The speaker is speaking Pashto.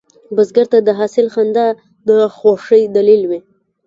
بزګر ته د حاصل خندا د خوښې دلیل وي